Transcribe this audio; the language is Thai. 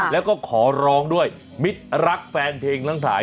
แล้วก็ขอร้องด้วยมิตรรักแฟนเพลงทั้งหลาย